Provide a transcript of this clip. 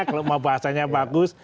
kalau mau bahasanya bagus